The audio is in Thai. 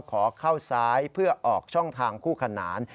ขอเข้าซ้ายเพื่อออกช่องทางคู่ขนาน